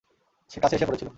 সে কাছে এসে পড়েছিল।